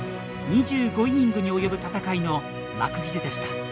２５イニングに及ぶ戦いの幕切れでした。